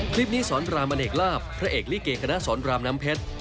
คลิปนี้สรรามนเนกราบพระเอกลิเกชนาสรรามน้ำเพชร